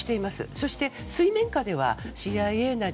そして、水面下ではＣＩＡなり